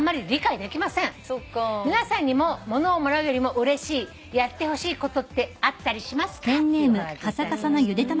「皆さんにも物をもらうよりもうれしいやってほしいことってあったりしますか？」っていうおはがき頂きました。